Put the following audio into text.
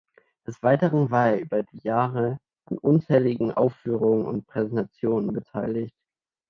Des Weiteren war er über die Jahre an unzähligen Aufführungen und Präsentationen beteiligt.